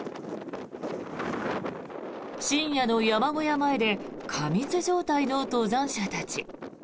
深夜の山小屋前で過密状態の登山者たち。